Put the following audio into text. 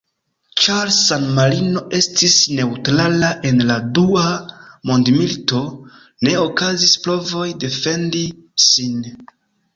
Ĉar San-Marino estis neŭtrala en la dua mondmilito, ne okazis provoj defendi sin.